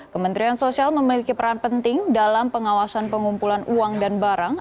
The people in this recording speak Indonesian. kementerian sosial memiliki peran penting dalam pengawasan pengumpulan uang dan barang